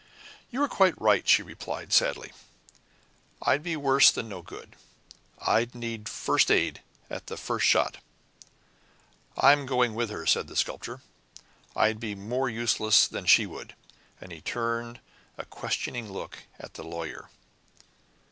"You are quite right," she replied sadly. "I'd be worse than no good. I'd need 'first aid,' at the first shot." "I'm going with her," said the Sculptor. "I'd be more useless than she would." And he turned a questioning look at the Lawyer.